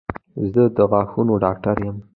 زه د غاښونو ډاکټر یم